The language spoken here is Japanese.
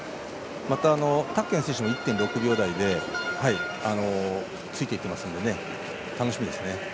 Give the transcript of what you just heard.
また、タッケン選手も１．６秒台でついていってますので楽しみですね。